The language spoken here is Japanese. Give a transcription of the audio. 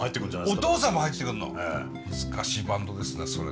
難しいバンドですねそれは。